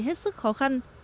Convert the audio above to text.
tại hết sức khó khăn